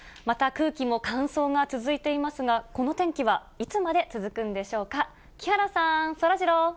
また空気も乾燥が続いていますが、この天気はいつまで続くんでしょうか。